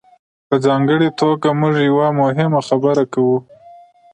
په ځانګړې توګه موږ یوه مهمه خبره کوو.